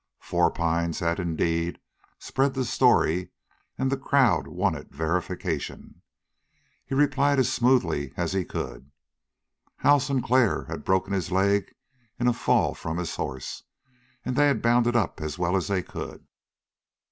Four Pines had indeed spread the story, and the crowd wanted verification. He replied as smoothly as he could. Hal Sinclair had broken his leg in a fall from his horse, and they had bound it up as well as they could.